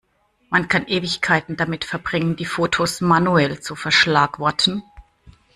Man kann Ewigkeiten damit verbringen, die Fotos manuell zu verschlagworten.